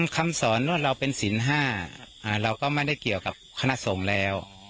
คำสอนว่าเราเป็นศิลป์๕เราก็ไม่ได้เกี่ยวกับคณะสงฆ์แล้ว